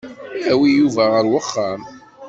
Awi Yuba ɣer uxxam.